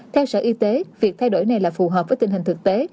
theo sở y tế việc thay đổi này là phù hợp với tình hình thực tế